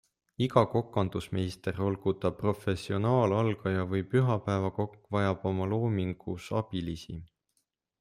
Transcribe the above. Iga kokandusmeister, olgu ta professionaal, algaja või pühapäevakokk, vajab oma loomingus abilisi.